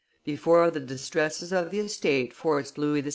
Before the distresses of the state forced Louis XVI.